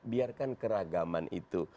biarkan keragaman itu